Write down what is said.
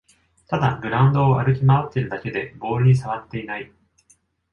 ただグラウンドを歩き回ってるだけでボールにさわっていない